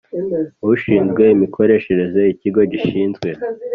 Ushinzwe imikoreshereze ikigo gishinzwe